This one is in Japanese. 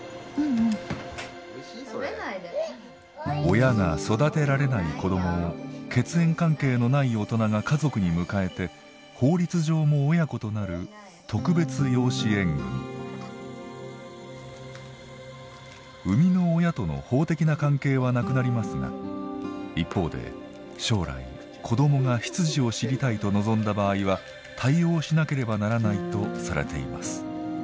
親が育てられない子どもを血縁関係のない大人が家族に迎えて法律上も親子となる生みの親との法的な関係はなくなりますが一方で将来子どもが出自を知りたいと望んだ場合は対応しなければならないとされています。